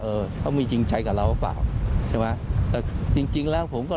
เออเขามีจริงใจกับเราฟะใช่ไหมแต่จริงแล้วผมก็